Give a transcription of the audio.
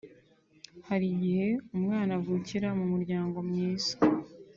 Hari igihe umwana avukira mu muryango mwiza